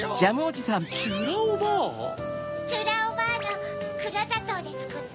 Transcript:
ちゅらおばあのくろざとうでつくった